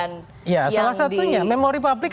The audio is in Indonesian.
yang di ya salah satunya memori publik